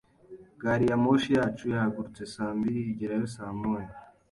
Gari ya moshi yacu yahagurutse saa mbiri, igerayo saa moya